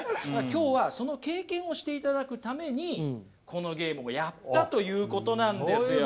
今日はその経験をしていただくためにこのゲームをやったということなんですよ。